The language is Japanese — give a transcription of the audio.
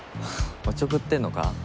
おちょくってんのか？